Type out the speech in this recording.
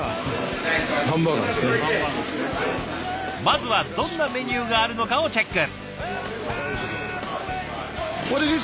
まずはどんなメニューがあるのかをチェック。